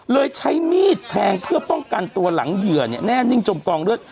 ใช้มีดแทงเพื่อป้องกันตัวหลังเหยื่อเนี่ยแน่นิ่งจมกองเลือด